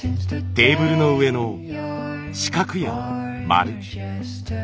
テーブルの上の四角や丸。